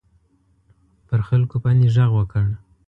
پر خلکو باندي ږغ وکړ.